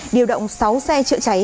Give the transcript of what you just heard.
điều động sáu xe chữa cháy